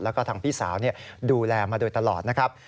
แล้วก็ทางพี่สาวดูแลมาโดยตลอดนะครับ